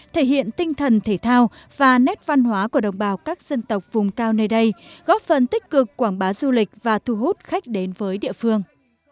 thể hiện tinh thần thể thao và nét văn hóa của đồng bào các dân tộc vùng cao nơi đây góp phần tích cực quảng bá du lịch và thu hút khách đến với địa phương